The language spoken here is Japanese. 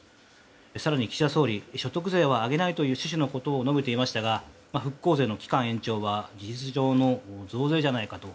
更に岸田総理所得税は上げないという趣旨のことを述べていましたが復興税の期間延長は事実上の増税じゃないかと。